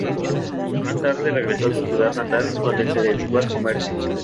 Más tarde regresó a su ciudad natal, donde se dedicó al comercio.